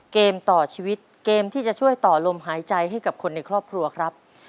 เกมต่อชีวิตเกมที่จะช่วยต่อลมหายใจให้กับคนในครอบครัวครับ